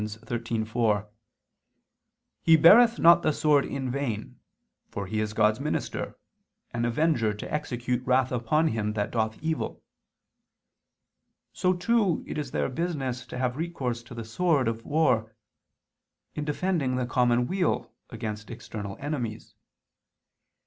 13:4): "He beareth not the sword in vain: for he is God's minister, an avenger to execute wrath upon him that doth evil"; so too, it is their business to have recourse to the sword of war in defending the common weal against external enemies.